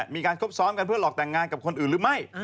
มีการคบซ้อมกันเพื่อหลอกแต่งงานกับคนอื่นหรือไม่